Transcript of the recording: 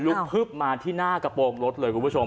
ลุกพลึบมาที่หน้ากระโปรงรถเลยครับ